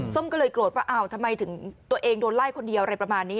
ก็เลยโกรธว่าอ้าวทำไมถึงตัวเองโดนไล่คนเดียวอะไรประมาณนี้